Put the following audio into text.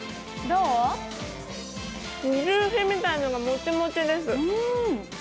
うん、求肥みたいなのがもちもちです。